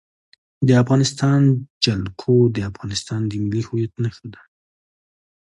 د افغانستان جلکو د افغانستان د ملي هویت نښه ده.